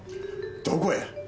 どこへ？